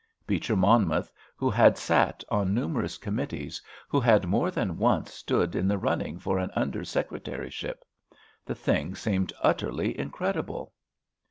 Beecher Monmouth, who had sat on numerous committees, who had more than once stood in the running for an under secretaryship? The thing seemed utterly incredible!